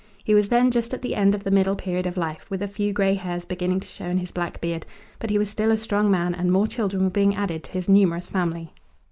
He was then just at the end of the middle period of life, with a few grey hairs beginning to show in his black beard, but he was still a strong man and more children were being added to his numerous family.